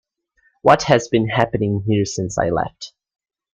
What has been happening here since I left?